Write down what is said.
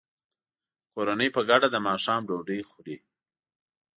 کورنۍ په ګډه د ماښام ډوډۍ خوري.